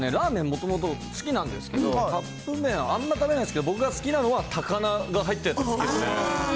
もともと好きなんですけど、カップ麺、あんま食べないですけど、僕が好きなのは、高菜が入ったやつ、好きですね。